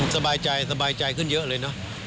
สบายใจขึ้นเยอะเลยนะ